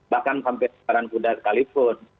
bahkan sampai sebarang buddha sekalipun